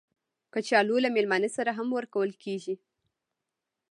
کچالو له میلمانه سره هم ورکول کېږي